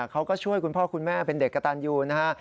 เขาก็ช่วยคุณพ่อคุณแม่เป็นเด็กกระตันยูนะฮะ